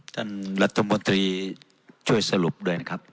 ท่านรัฐมนตรีช่วยสรุปด้วยนะครับ